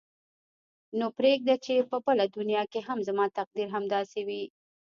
نو پرېږده چې په بله دنیا کې هم زما تقدیر همداسې وي.